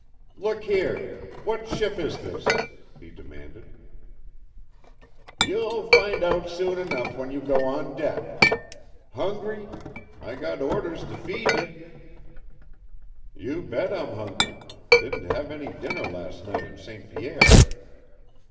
"Look here! What ship is this?" he demanded. "You'll find out soon enough when you go on deck. Hungry? I got orders to feed ye." "You bet I'm hungry; didn't have any dinner last night in St. Pierre."